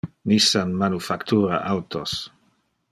Nissan manufactura autos.